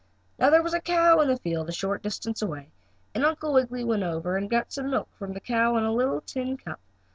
Now there was a cow in the field a short distance away, and Uncle Wiggily went over and got some milk from the cow in a little tin cup.